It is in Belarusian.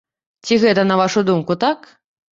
Ці гэта, на вашу думку, так?